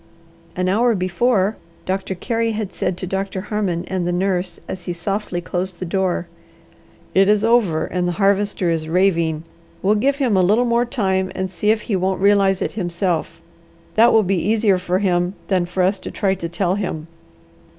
An hour before Doctor Carey had said to Doctor Harmon and the nurse, as he softly closed the door: "It is over and the Harvester is raving. We'll give him a little more time and see if he won't realize it himself. That will be easier for him than for us to try to tell him."